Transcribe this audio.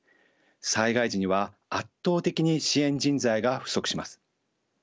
災害時には圧倒的に支援人材が不足します。